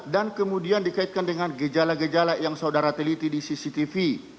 dan kemudian dikaitkan dengan gejala gejala yang saudara teliti di cctv